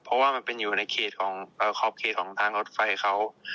เพราะว่ามันเป็นอยู่ในเขตของขอบเขตของทางรถไฟเขา